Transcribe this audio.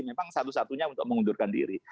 memang satu satunya untuk mengundurkan diri